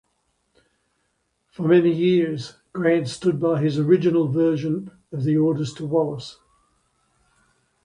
For many years Grant stood by his original version of the orders to Wallace.